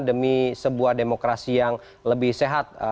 demi sebuah demokrasi yang lebih sehat